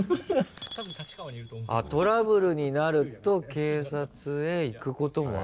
トラブルになると警察へ行くこともある。